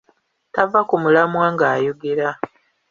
Tava ku mulamwa ng'ayogera.